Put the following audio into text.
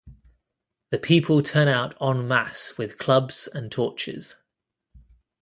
The people turn out en masse with clubs and torches.